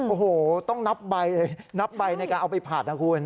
โอ้โหต้องนับใบในการเอาไปผาดนะคุณ